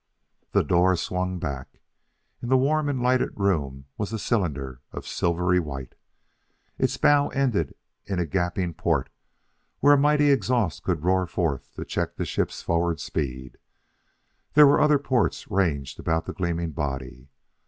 The doors swung back. In the warm and lighted room was a cylinder of silvery white. Its bow ended in a gaping port where a mighty exhaust could roar forth to check the ship's forward speed; there were other ports ranged about the gleaming body.